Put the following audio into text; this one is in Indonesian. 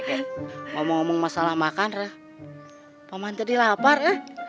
bicara tentang masalah makan paman jadi lapar ya